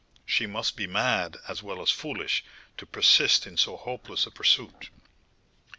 She must be mad, as well as foolish, to persist in so hopeless a pursuit."